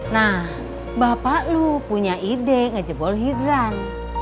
nah bapak lu punya ide ngejebol hidran